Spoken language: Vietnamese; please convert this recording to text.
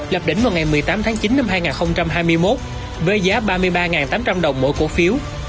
lập đỉnh vào ngày một mươi tám tháng chín năm hai nghìn hai mươi một với giá ba mươi ba tám trăm linh đồng mỗi cổ phiếu